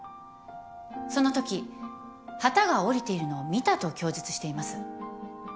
そのとき旗がおりているのを見たと供述しています。